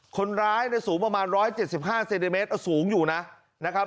คนร้ายในสูงประมาณร้อยเจ็ดสิบห้าเซนติเมตรสูงอยู่น่ะนะครับ